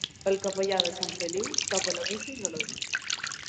El capellà de Sant Feliu toca la missa i no la diu.